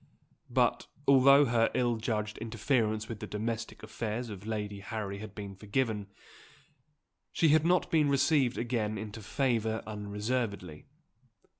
But, although her ill judged interference with the domestic affairs of Lady Harry had been forgiven, she had not been received again into favour unreservedly.